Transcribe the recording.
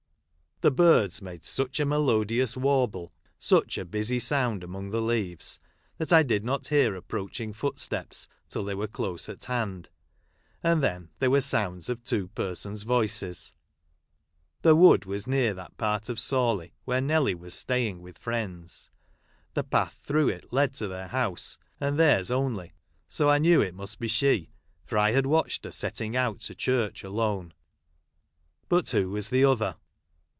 The birds made such a Charles Dickens.] THE HEART OF JOHN MIDDLETON. 329 melodious warble, such a busy sound among the leaves, that 1 did not hear approaching footsteps, till they were close at hand ; and then there Avere sounds of two persons' voices. The wood was near that part of Sawley who.ro Nelly was staying with friends ; the path through it led to their house, and their's ohly, so I knew it must be she, for I had watched her setting out to church alone. But who was the other